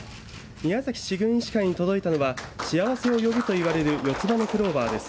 宮崎市郡医師会に届いたのは幸せを呼ぶと呼ばれる四つ葉のクローバーです。